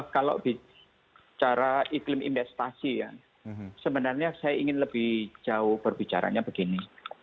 kalau bicara iklim investasi ya sebenarnya saya ingin lebih jauh berbicaranya begini